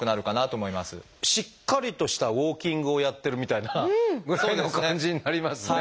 しっかりとしたウォーキングをやってるみたいなぐらいの感じになりますね。